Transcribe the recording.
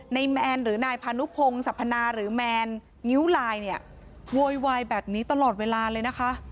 แมนหรือนายพานุพงศัพพนาหรือแมนงิ้วลายเนี่ยโวยวายแบบนี้ตลอดเวลาเลยนะคะ